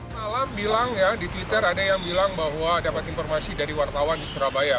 malam bilang ya di twitter ada yang bilang bahwa dapat informasi dari wartawan di surabaya